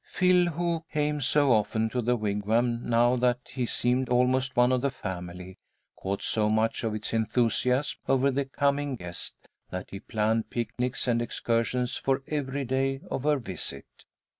Phil, who came so often to the Wigwam now that he seemed almost one of the family, caught so much of its enthusiasm over the coming guest, that he planned picnics and excursions for every day of her visit.